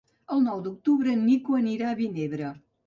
El nou d'octubre en Nico anirà a Vinebre.